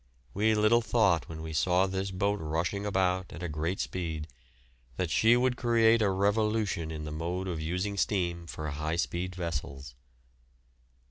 We little thought when we saw this boat rushing about at a great speed that she would create a revolution in the mode of using steam for high speed vessels.